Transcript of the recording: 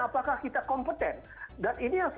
apakah kita kompeten dan ini yang